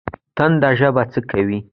تنده ژبه څه کوي؟